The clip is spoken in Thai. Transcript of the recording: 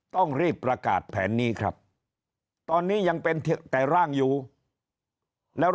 ต้องรีบประกาศแผนนี้ครับตอนนี้ยังเป็นแต่ร่างอยู่แล้ว